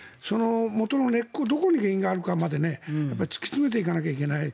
もとの根っこどこに原因があるかまで突き詰めていかなきゃいけない。